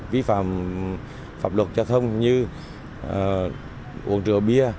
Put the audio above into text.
vi phạm pháp luật giao thông như uống rượu bia